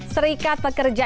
selamat hari buruh